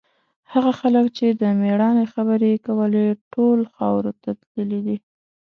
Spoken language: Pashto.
هغه خلک چې د مېړانې خبرې یې کولې، ټول خاورو ته تللي دي.